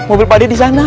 mobil pak de di sana